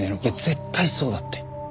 絶対そうだって。